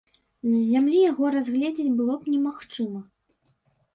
З зямлі яго разгледзець было б немагчыма.